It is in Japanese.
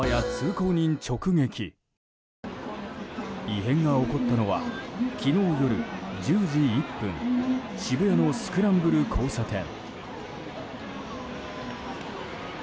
異変が起こったのは昨日夜１０時１分渋谷のスクランブル交差点。